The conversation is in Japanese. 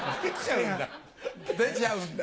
出ちゃうんだ。